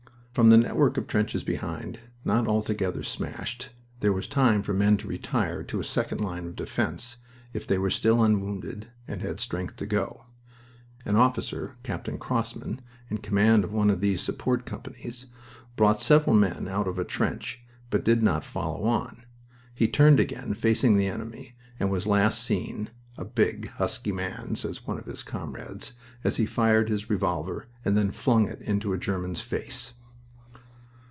From the network of trenches behind, not altogether smashed, there was time for men to retire to a second line of defense, if they were still unwounded and had strength to go. An officer Captain Crossman in command of one of these support companies, brought several men out of a trench, but did not follow on. He turned again, facing the enemy, and was last seen "a big, husky man," says one of his comrades as he fired his revolver and then flung it into a German's face.